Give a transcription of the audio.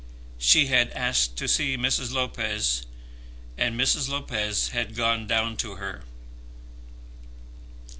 She had asked to see Mrs. Lopez, and Mrs. Lopez had gone down to her.